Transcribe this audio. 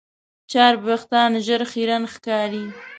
چرب وېښتيان ژر خیرن ښکاري.